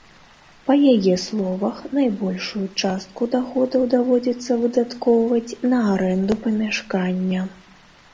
Па яе словах, найбольшую частку даходаў даводзіцца выдаткоўваць на арэнду памяшкання.